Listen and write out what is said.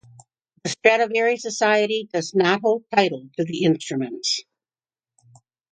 The Stradivari Society does not hold title to the instruments.